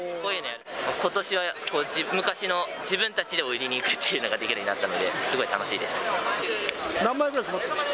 ことしは昔の自分たちで売り込みに行くっていうのができるようになったので、すごい楽しいで何枚ぐらい配った？